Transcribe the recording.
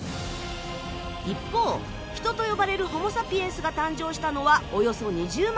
一方人と呼ばれるホモサピエンスが誕生したのはおよそ２０万年前。